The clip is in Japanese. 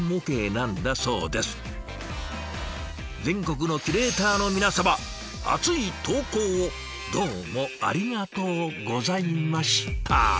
全国のキュレーターの皆様熱い投稿をどうもありがとうございました！